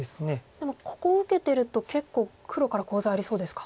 でもここを受けてると結構黒からコウ材ありそうですか。